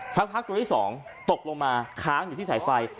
สักพักตัวที่๒ตกลงมาค้างอยู่ที่สายไฟ